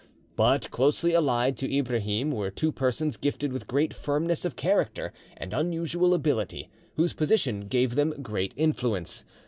But closely allied to Ibrahim were two persons gifted with great firmness of character and unusual ability, whose position gave them great influence.